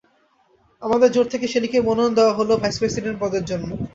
আমাদের জোট থেকে শেলীকে মনোনয়ন দেওয়া হলো ভাইস প্রেসিডেন্ট পদের জন্য।